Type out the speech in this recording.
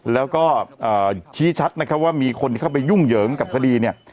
แล้วก็ชี้ชัดนะครับว่ามีคนที่เข้าไปยุ่งเหยิงกับคดีเนี่ย